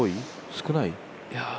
少ない？